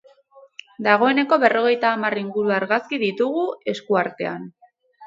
Dagoeneko berrogeita hamar inguru argazki ditugu esku artean.